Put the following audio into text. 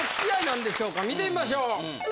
見てみましょう。